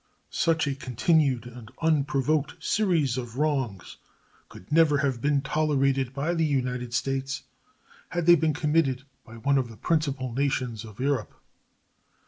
Such a continued and unprovoked series of wrongs could never have been tolerated by the United States had they been committed by one of the principal nations of Europe.